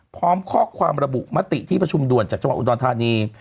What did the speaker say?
พร้อมข้อความระบุมติที่ประชุมด่วนจากจังหวัดอุดรธานี